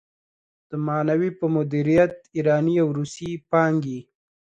د معنوي په مديريت ايراني او روسي پانګې.